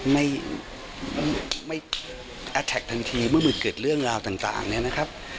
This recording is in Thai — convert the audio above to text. ไม่แอตแท็กทั้งทีเมื่อมีเกิดเรื่องราวต่างนะครับ